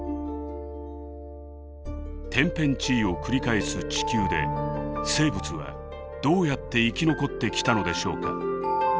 天変地異を繰り返す地球で生物はどうやって生き残ってきたのでしょうか。